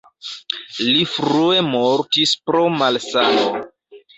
Li frue mortis pro malsano.